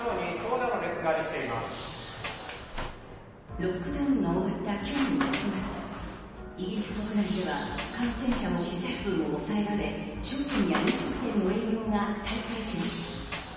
ロックダウンが終わった去年６月、イギリス国内では感染者も死者数も抑えられ、商店や飲食店の営業が再開しました。